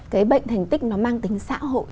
cái bệnh thành tích nó mang tính xã hội